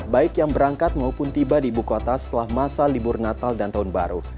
baik yang berangkat maupun tiba di ibu kota setelah masa libur natal dan tahun baru